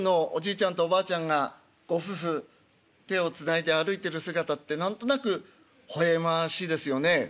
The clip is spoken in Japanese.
ちゃんとおばあちゃんがご夫婦手をつないで歩いてる姿って何となくほほえましいですよね。